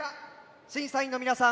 審査員の皆さん